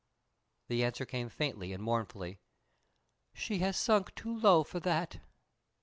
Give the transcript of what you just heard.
The answer came faintly and mournfully. "She has sunk too low for that!"